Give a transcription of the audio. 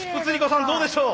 さんどうでしょう。